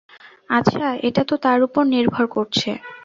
আচ্ছা, এটা তো তার উপর নির্ভর করছে।